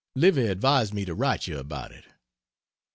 Livy advised me to write you about it.